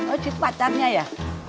oh si pacarnya ya